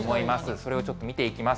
それをちょっと見ていきます。